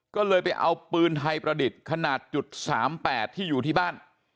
ก็เลยไปเอาปืนไทยประดิษฐ์ขนาด๓๘ที่อยู่ที่บ้าน